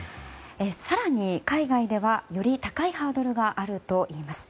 更に海外ではより高いハードルがあるといいます。